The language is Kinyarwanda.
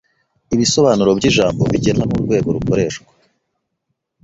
Ibisobanuro byijambo bigenwa nurwego rukoreshwa.